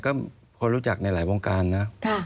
ก็พอรู้จักในหลายวงการนะ